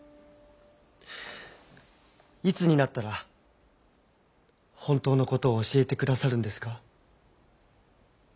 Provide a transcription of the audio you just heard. いつになったら本当のことを教えてくださるんですか？